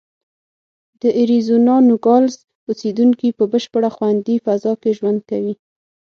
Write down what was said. د اریزونا نوګالس اوسېدونکي په بشپړه خوندي فضا کې ژوند کوي.